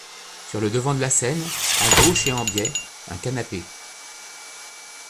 Sur le devant de la scène, à gauche et en biais, un canapé.